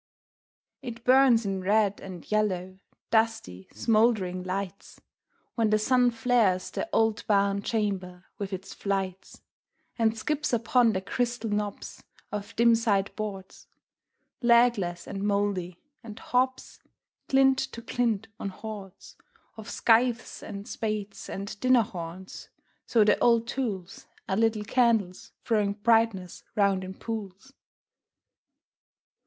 It burns in red and yellow, dusty, smouldering lights, When the sun flares the old barn chamber with its flights And skips upon the crystal knobs of dim sideboards, Legless and mouldy, and hops, glint to glint, on hoards Of scythes, and spades, and dinner horns, so the old tools Are little candles throwing brightness round in pools.